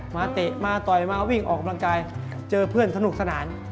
เตะมาต่อยมาวิ่งออกกำลังกายเจอเพื่อนสนุกสนาน